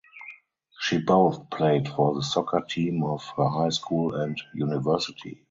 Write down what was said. She both played for the soccer teams of her high school and university.